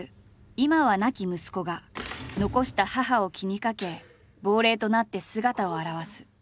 今は亡き息子が残した母を気にかけ亡霊となって姿を現す。